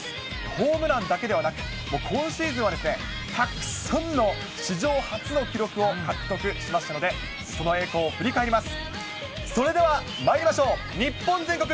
ホームランだけではなく、今シーズンはたくさんの史上初の記録を獲得しましたので、その栄光を振り返ります。